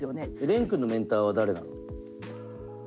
廉くんのメンターは誰なの？